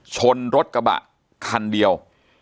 ชนรถกระบะคันเดียว